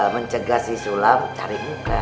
mencegah sisulam cari muka